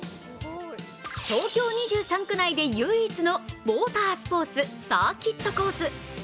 東京２３区内で唯一のモータースポーツサーキットコース。